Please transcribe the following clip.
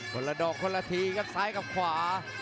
คนละดอกคนละทีครับซ้ายกับขวา